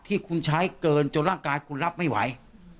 ที่คุณใช้เกินจนร่างกายคุณรับไม่ไหว